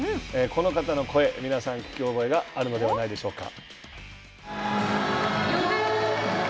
この方の声皆さん聞き覚えがあるのではないでしょうか。